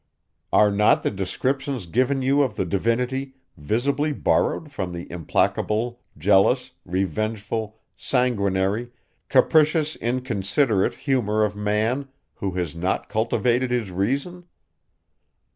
Are not the descriptions given you of the divinity, visibly borrowed from the implacable, jealous, revengeful, sanguinary, capricious inconsiderate humour of man, who has not cultivated his reason?